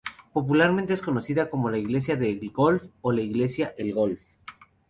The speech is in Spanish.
Popularmente es conocida como Iglesia del Golf o Iglesia El Golf.